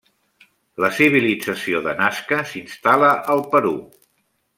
La civilització de Nazca s'instal·la al Perú.